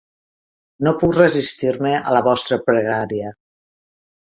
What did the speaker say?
No puc resistir-me a la vostra pregària.